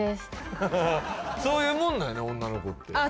そういうもんなんやね女の子ってああ